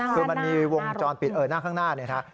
คือมันมีวงจรปิดหน้าข้างหน้าเนี่ยนะ